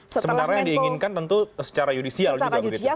sebenarnya diinginkan tentu secara judisial